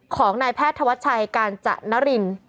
ของนายแพทย์ธวัชชัยกาญจนริน